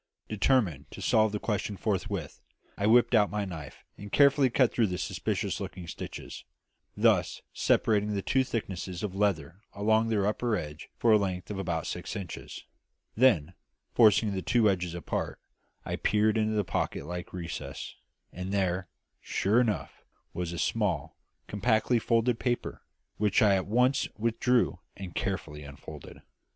Determined to solve the question forthwith, I whipped out my knife and carefully cut through the suspicious looking stitches, thus separating the two thicknesses of leather along their upper edges for a length of about six inches; then, forcing the two edges apart, I peered into the pocket like recess; and there, sure enough, was a small, compactly folded paper, which I at once withdrew and carefully unfolded.